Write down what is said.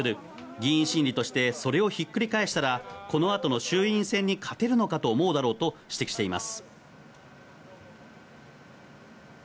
議員心理としてそれをひっくり返したら、この後の衆院選に勝てるのかと思うだろうと指摘しています。